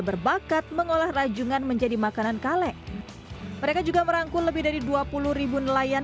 berbakat mengolah rajungan menjadi makanan kaleng mereka juga merangkul lebih dari dua puluh ribu nelayan